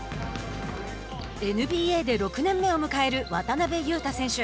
ＮＢＡで６年目を迎える渡邊雄太選手。